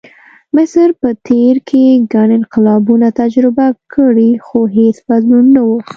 مصر په تېر کې ګڼ انقلابونه تجربه کړي، خو هېڅ بدلون نه و.